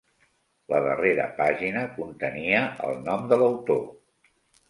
La darrera pàgina contenia el nom de l'autor.